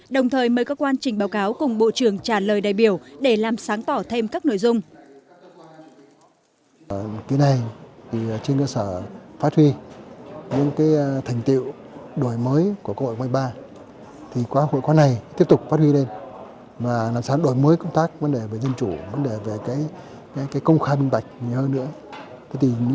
đồng thời mời các quan trình báo cáo cùng bộ trường trả lời đại biểu để làm sáng tỏ thêm các nội dung